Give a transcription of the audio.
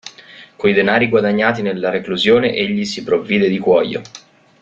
Coi denari guadagnati nella reclusione egli si provvide di cuoio.